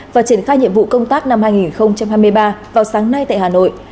và triển khai nhiệm vụ công tác năm hai nghìn hai mươi ba vào sáng nay tại hà nội